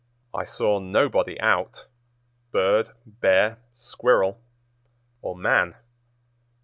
I saw nobody out—bird, bear, squirrel, or man.